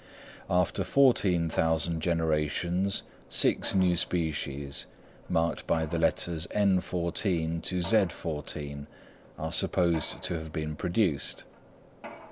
After fourteen thousand generations, six new species, marked by the letters _n_14 to _z_14, are supposed to have been produced.